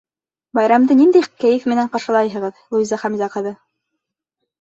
— Байрамды ниндәй кәйеф менән ҡаршылайһығыҙ, Луиза Хәмзә ҡыҙы?